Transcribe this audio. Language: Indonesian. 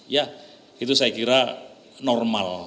ya itu saya kira normal